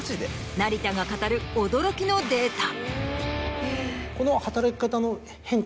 成田が語る驚きのデータ。